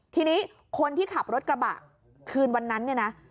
ทีนี้คนที่ขับรถกระบะคืนวันนั้นเนี่ยนะ